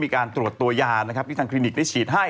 มีการตรวจตัวยานะครับที่ทางคลินิกได้ฉีดให้